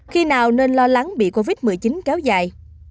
khi nào nên lo lắng bị covid một mươi chín kéo dài